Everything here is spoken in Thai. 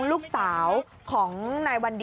ไม่แตกนะครับ